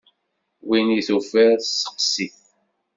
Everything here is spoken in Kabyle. Win i tufiḍ steqsi-t!